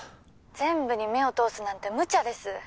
全部に目を通すなんてむちゃです。